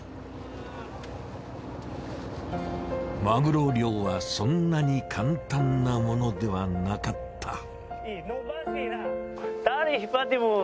マグロ漁はそんなに簡単なものではなかった。